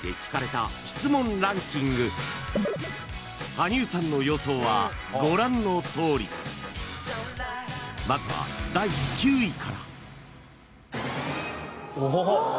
羽生さんの予想はご覧のとおりまずは第９位からおおっ